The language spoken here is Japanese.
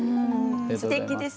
すてきです。